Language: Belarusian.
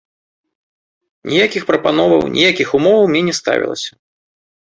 Ніякіх прапановаў, ніякіх умоваў мне не ставілася.